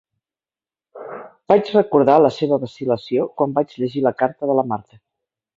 Vaig recordar la seva vacil·lació quan vaig llegir la carta de la Marthe.